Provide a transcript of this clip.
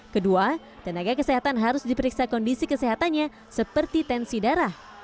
kedua tenaga kesehatan harus diperiksa kondisi kesehatannya seperti tensi darah